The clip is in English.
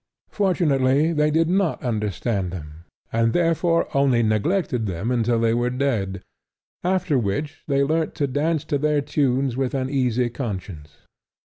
Fortunately they did not understand them, and therefore only neglected them until they were dead, after which they learnt to dance to their tunes with an easy conscience.